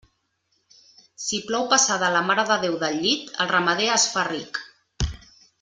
Si plou passada la Mare de Déu del llit, el ramader es fa ric.